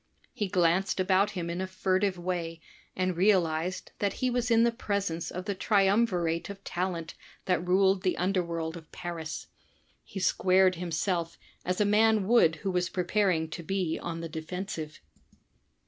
He glanced about him in a furtive way and realized that he was in the presence of the triumvirate of talent that ruled the under world of DETECTIVE STORIES 57 Paris. He squared himself as a man would who was preparing to be on the defensive.